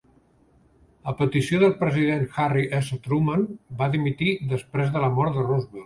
A petició del president Harry S. Truman, va dimitir després de la mort de Roosevelt.